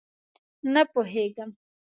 _نه پوهېږم!